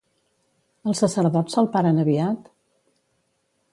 Els sacerdots salparen aviat?